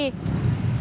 aku mau pergi